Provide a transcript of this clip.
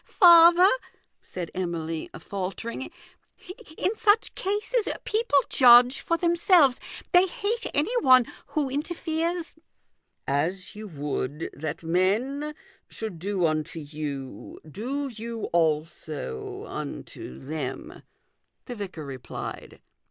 " Father," said Emily, faltering, " in such cases people judge for themselves. They hate any one who interferes "" As you would that men should do unto you, do you also unto them," the vicar replied.